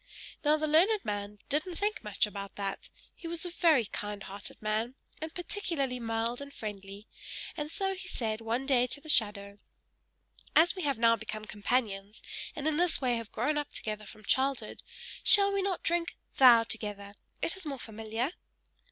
Now the learned man didn't think much about that; he was a very kind hearted man, and particularly mild and friendly, and so he said one day to the shadow: "As we have now become companions, and in this way have grown up together from childhood, shall we not drink 'thou' together, it is more familiar?"